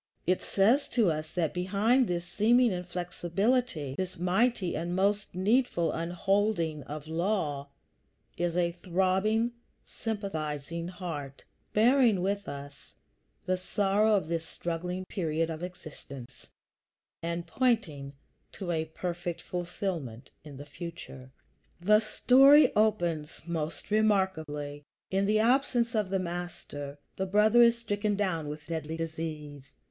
It says to us that behind this seeming inflexibility, this mighty and most needful unholding of law, is a throbbing, sympathizing heart, bearing with us the sorrow of this struggling period of existence, and pointing to a perfect fulfillment in the future. The story opens most remarkably. In the absence of the Master, the brother is stricken down with deadly disease.